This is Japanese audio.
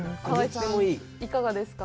いかがですか。